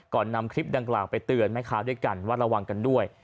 นำคลิปดังกล่าวไปเตือนแม่ค้าด้วยกันว่าระวังกันด้วย